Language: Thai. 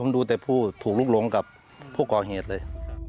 ดูแต่ผู้ถูกลุกหลงกับผู้ก่อเหตุเลย